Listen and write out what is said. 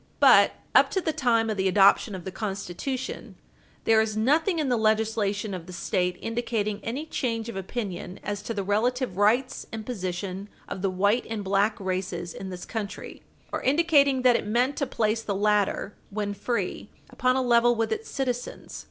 But up to the time of the adoption of the Constitution, there is nothing in the legislation of the State indicating any change of opinion as to the relative rights and position of the white and black races in this country, or indicating that it meant to place the latter, when free, upon a level with its citizens.